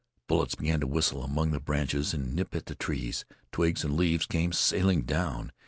Bullets began to whistle among the branches and nip at the trees. Twigs and leaves came sailing down.